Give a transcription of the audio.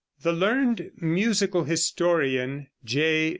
The learned musical historian, J.